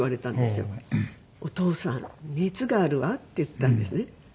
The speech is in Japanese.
「お父さん熱があるわ」って言ったんですね。